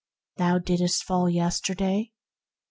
Thou didst fall yesterday